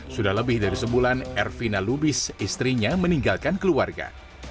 sudah lebih dari sebulan ervina lubis istrinya meninggalkan keluarga